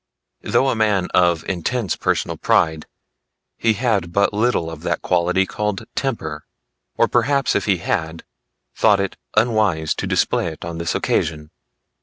Though a man of intense personal pride, he had but little of that quality called temper, or perhaps if he had, thought it unwise to display it on this occasion.